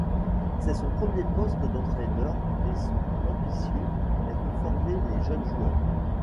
C'est son premier poste d’entraîneur et son ambition est de former les jeunes joueurs.